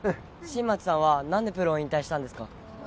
新町さんは何でプロを引退したんですか？